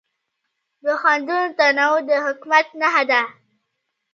د خوندونو تنوع د حکمت نښه ده.